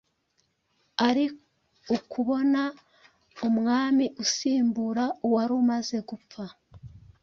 ari ukubona umwami usimbura uwari umaze gupfa